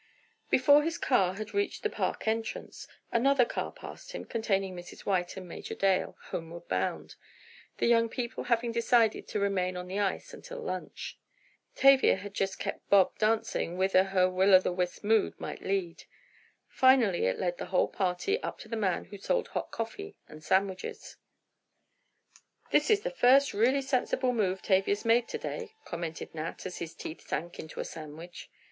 Before his car had reached the park entrance, another car passed him, containing Mrs. White and Major Dale homeward bound, the young people having decided to remain on the ice until lunch. Tavia had kept Bob just dancing whither her will o' the wisp mood might lead. Finally it led the whole party up to the man who sold hot coffee and sandwiches. "This is the first really sensible move Tavia's made to day," commented Nat, as his teeth sank into a sandwich.